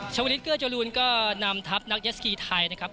ชาวลิศเกื้อจรูนก็นำทัพนักเย็สกีไทยนะครับ